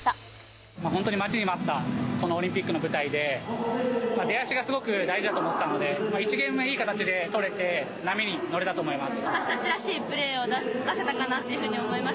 本当に待ちに待ったこのオリンピックの舞台で、出足がすごく大事だと思ってたので、１ゲーム目、いい形で取れて、波に乗れたと思います。